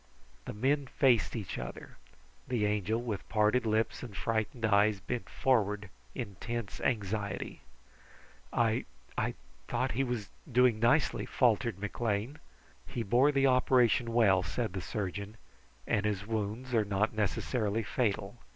The men faced each other. The Angel, with parted lips and frightened eyes, bent forward in tense anxiety. "I I thought he was doing nicely?" faltered McLean. "He bore the operation well," replied the surgeon, "and his wounds are not necessarily fatal.